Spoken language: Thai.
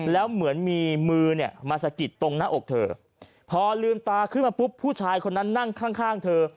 แล้วเหมือนมีมือเนี่ยมาสะกิดตรงหน้าอกเธอพอลืมตาขึ้นมาปุ๊บผู้ชายคนนั้นนั่งข้างข้างเธอ